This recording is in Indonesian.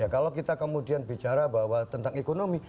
kalau kita kemudian bicara bahwa tentang ekonomi